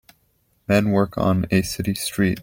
Men work on a city street.